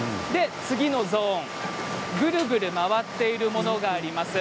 次のゾーン、ぐるぐる回っているものがあります。